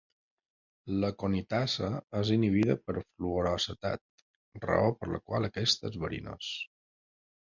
L'aconitasa és inhibida per fluoroacetat, raó per la qual aquest és verinós.